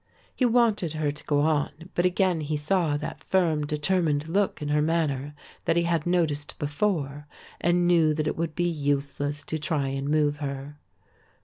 He wanted her to go on; but again he saw that firm determined look in her manner that he had noticed before and knew that it would be useless to try and move her.